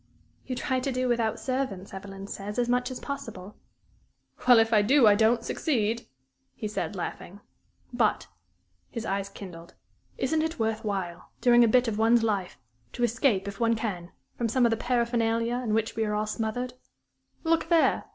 "You try to do without servants, Evelyn says, as much as possible." "Well, if I do try, I don't succeed," he said, laughing. "But" his eyes kindled "isn't it worth while, during a bit of one's life, to escape, if one can, from some of the paraphernalia in which we are all smothered? Look there!